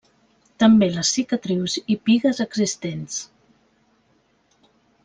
També les cicatrius i pigues existents.